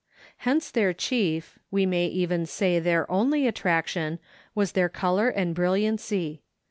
Hence their chief, we may even say their only attraction was their color and brilliancy.